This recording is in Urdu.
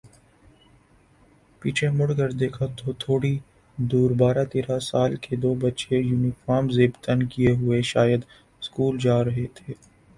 پیچھے مڑ کر دیکھا تو تھوڑی دوربارہ تیرہ سال کے دو بچے یونیفارم زیب تن کئے ہوئے شاید سکول جارہے تھے